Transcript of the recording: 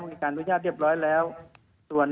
มันมีการอนุญาตเรียบร้อยแล้ว